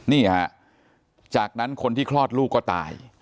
นี่ฮะจากนั้นคนที่คลอดลูกก็ตาย